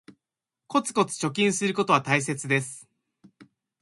コツコツ貯金することは大切です